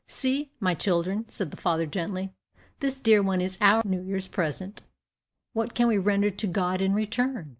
"See, my children," said the father gently, "this dear one is our New Year's present. What can we render to God in return?"